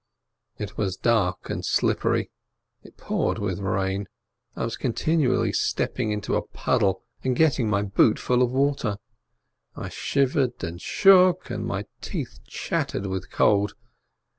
It was dark and slippery. It poured with rain. I was continually stepping into a puddle, and getting my boot full of water. I shivered and shook, and my teeth chattered with cold.